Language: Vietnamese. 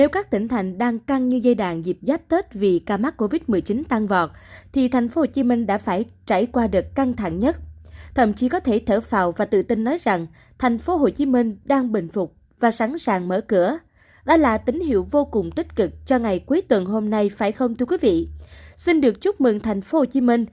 các bạn hãy đăng ký kênh để ủng hộ kênh của chúng mình nhé